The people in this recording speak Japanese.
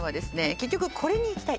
結局これに行きたい